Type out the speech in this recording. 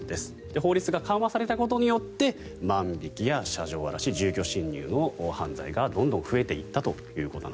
法律が緩和されたことによって万引きや車上荒らし住居侵入の犯罪がどんどん増えていったと。